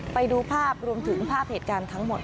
ไปดูภาพรวมถึงภาพเหตุการณ์ทั้งหมด